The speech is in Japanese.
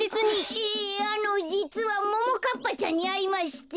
ええあのじつはももかっぱちゃんにあいまして。